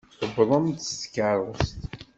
Tuwḍem-d s tkeṛṛust.